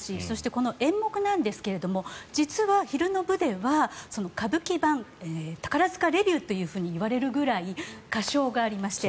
この演目なんですが実は昼の部では歌舞伎版宝塚レビューといわれるくらい歌唱がありまして。